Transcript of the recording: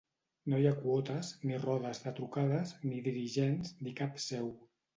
No hi ha quotes, ni rodes de trucades, ni dirigents, ni cap seu.